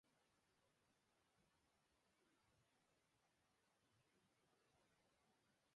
Inoiz ez zaizu kostatu takoiekin ibiltzea?